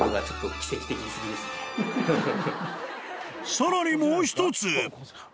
［さらにもう１つ］